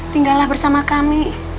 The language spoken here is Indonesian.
tinggallah bersama kami